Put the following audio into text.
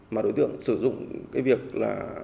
mà đối tượng sử dụng cái việc là